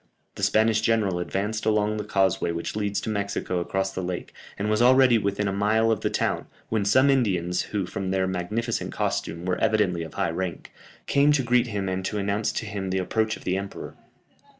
The Spanish general advanced along the causeway which leads to Mexico across the lake, and was already within a mile of the town, when some Indians, who, from their magnificent costume were evidently of high rank, came to greet him and to announce to him the approach of the emperor.